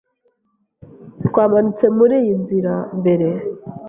Twamanutse muriyi nzira mbere.